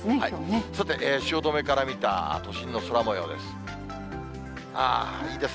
さて、汐留から見た都心の空もようです。